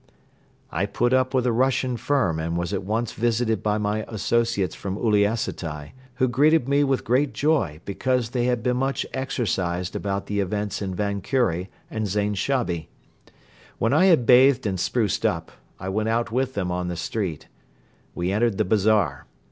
I put up with a Russian firm and was at once visited by my associates from Uliassutai, who greeted me with great joy because they had been much exercised about the events in Van Kure and Zain Shabi. When I had bathed and spruced up, I went out with them on the street. We entered the bazaar.